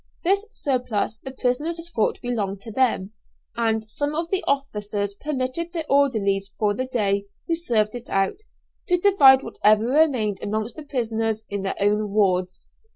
This surplus the prisoners thought belonged to them, and some of the officers permitted the orderlies for the day, who served it out, to divide whatever remained amongst the prisoners in their own wards.